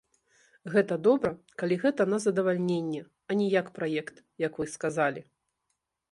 Гэта добра, калі гэта на задавальненне, а не як праект, як вы сказалі.